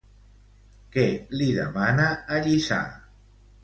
Què li demana a Llissà?